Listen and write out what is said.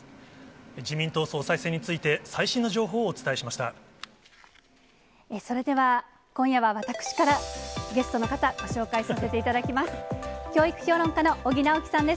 自民党総裁選について、それでは、今夜は私から、ゲストの方、ご紹介させていただきます。